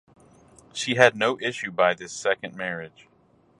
She had no issue by this second marriage.